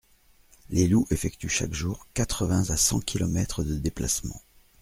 Les loups effectuent chaque jour quatre-vingts à cent kilomètres de déplacement.